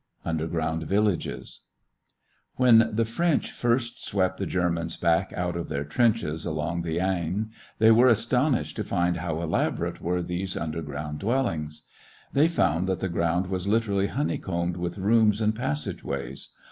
UNDERGROUND VILLAGES When the French first swept the Germans back out of their trenches along the Aisne, they were astonished to find how elaborate were these underground dwellings. They found that the ground was literally honeycombed with rooms and passageways.